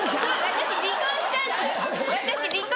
私離婚したんです私